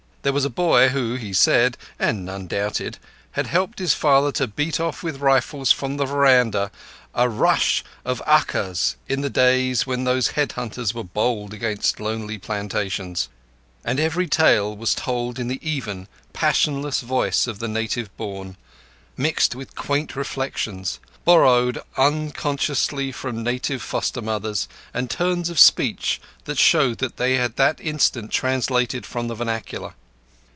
There was a boy who, he said, and none doubted, had helped his father to beat off with rifles from the veranda a rush of Akas in the days when those head hunters were bold against lonely plantations. And every tale was told in the even, passionless voice of the native born, mixed with quaint reflections, borrowed unconsciously from native foster mothers, and turns of speech that showed they had been that instant translated from the vernacular.